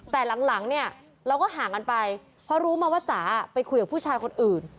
แต่หลังเนี่ยเราก็ห่างกันไปเพราะรู้มาว่าจ๋าไปคุยกับผู้ชายคนอื่น